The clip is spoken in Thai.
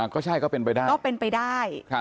ก็ใช่ก็เป็นไปได้